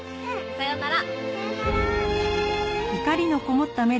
さようなら。